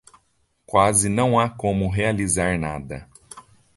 Quase não há como realizar nada